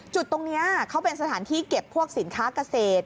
จุดตรงนี้เขาเป็นสถานที่เก็บพวกสินค้าเกษตร